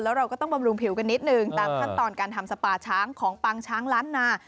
แล้วเราก็ต้องบำรุงผิวกันนิดนึงตามขั้นตอนการทำสปาช้างของปางช้างล้านนา